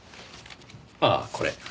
ああこれ。